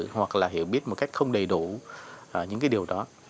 hoặc là hiểu biết một cách không đầy đủ những cái điều đó